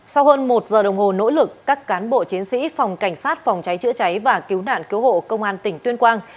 sau hơn một giờ đồng hồ nỗ lực các cán bộ chiến sĩ phòng cảnh sát phòng cháy chữa cháy và cứu nạn cứu hộ công an tỉnh tuyên quang